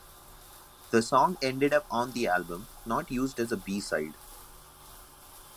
The song ended up on the album, not used as a B-side.